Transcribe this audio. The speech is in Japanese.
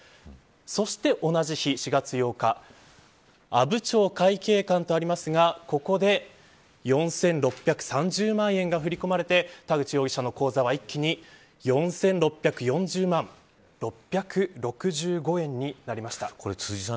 そして同じ日、４月８日アブチョウカイケイカンとありますがここで４６３０万円が振り込まれて田口容疑者の口座は一気に４６４０万６６５円になりました。